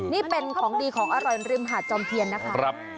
นี่เป็นของดีของอร่อยริมหาดจอมเทียนนะคะ